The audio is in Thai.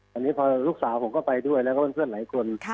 ตอนนี้พอลูกสาวผมก็ไปด้วยแล้วก็เป็นเพื่อนหลายคน